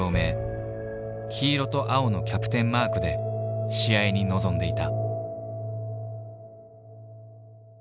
黄色と青のキャプテンマークで試合に臨んでいた。